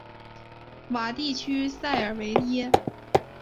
瓦地区塞尔维耶。